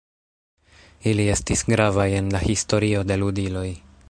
Ili estis gravaj en la historio de ludiloj.